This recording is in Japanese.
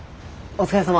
お疲れさま。